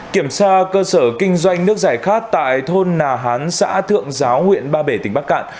kiểm tra cơ sở kinh doanh nước giải khát tại thôn nà hán xã thượng giáo huyện ba bể tỉnh bắc cạn